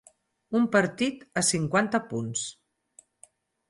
Un partit a cinquanta punts.